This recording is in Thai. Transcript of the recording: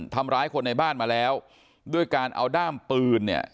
ทำร้ายคนในบ้านมาแล้วด้วยการเอาด้ามปืนเนี่ย